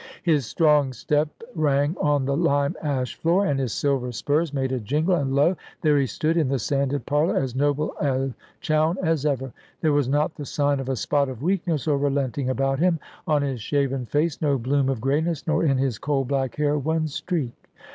His strong step rang on the lime ash floor, and his silver spurs made a jingle, and lo, there he stood in the sanded parlour, as noble a Chowne as ever. There was not the sign of a spot of weakness or relenting about him; on his shaven face no bloom of greyness, nor in his coal black hair one streak.